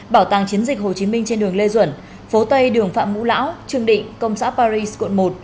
bảo tàng chiến dịch hồ chí minh trên đường lê duẩn phố tây đường phạm ngũ lão trương định công xã paris quận một